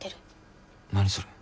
何それ。